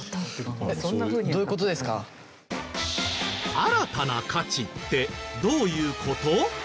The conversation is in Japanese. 新たな価値ってどういう事？